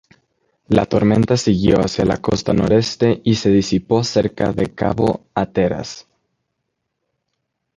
La tormenta siguió hacia la costa noreste, y se disipó cerca de Cabo Hatteras.